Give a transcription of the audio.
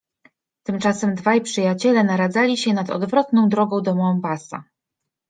Tymczasem dwaj przyjaciele naradzali się nad odwrotną drogą do Mombassa.